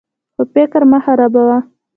خو فکر مه خرابوه.